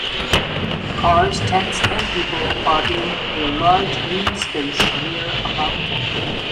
Cars, tents, and people are in a large green space near a mountain.